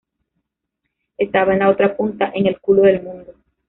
Estaba en la otra punta, en el culo del mundo